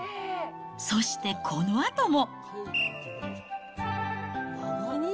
そしてこのあとも。